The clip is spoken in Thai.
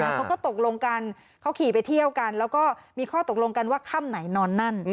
เขาก็ตกลงกันเขาขี่ไปเที่ยวกันแล้วก็มีข้อตกลงกันว่าค่ำไหนนอนนั่น